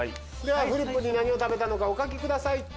フリップに何を食べたのかお書きください。